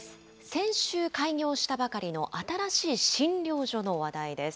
先週開業したばかりの新しい診療所の話題です。